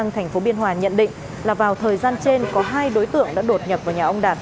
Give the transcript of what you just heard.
thành phố biên hòa nhận định là vào thời gian trên có hai đối tượng đã đột nhập vào nhà ông đạt